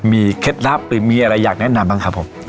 มีเคล็ดลับหรือมีอะไรอยากแนะนำบ้างครับผม